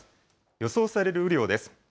予想される雨量です。